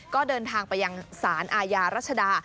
ก็เดินทางไปยังสารอาญารัชดา